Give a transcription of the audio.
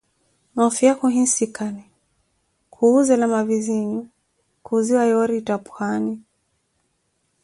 noofiya khuhinsikani, khuwuuzela mavizinho, khuuziwa yoori ettha pwani .